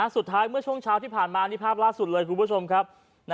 เมื่อช่วงเช้าที่ผ่านมานี่ภาพล่าสุดเลยคุณผู้ชมครับ